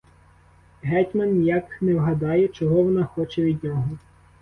Гетьман ніяк не вгадає, чого вона хоче від нього.